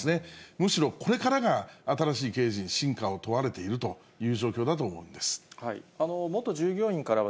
むしろこれからが新しい経営陣の真価を問われているという状況だ元従業員からは、